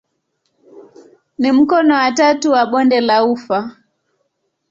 Ni mkono wa tatu wa bonde la ufa.